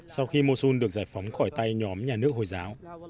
sau khi mosun được giải phóng khỏi tay nhóm nhà nước hồi giáo